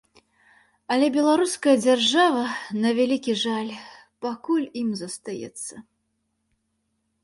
Але беларуская дзяржава, на вялікі жаль, пакуль ім застаецца.